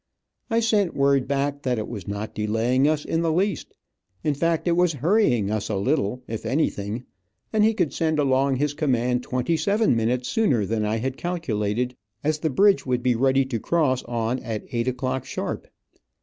I sent word back that it was not delaying us in the least; in fact, it was hurrying us a little, if anything, and he could send along his command twenty seven minutes sooner than I had calculated, as the bridge would be ready to cross on at eight o'clock sharp.